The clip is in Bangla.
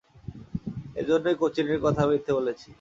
এইজন্যই কোচিনের কথা মিথ্যে বলেছি।